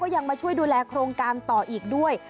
ยังมาช่วยดูแลโครงการต่ออีกด้วย